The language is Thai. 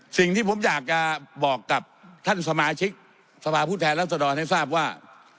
สิ่งที่ผมอยากจะบอกกับท่านสมาชิกสภาพผู้แทนรัศดรให้ทราบว่า